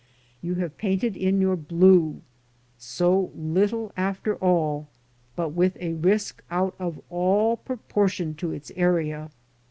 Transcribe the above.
You have painted in your blue, so little after all, but with a risk out of all proportion to its area.